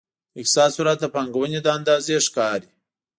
د اقتصاد سرعت د پانګونې له اندازې ښکاري.